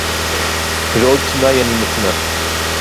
וְעוֹד תְּנַאי אֲנִי מַתְנֶה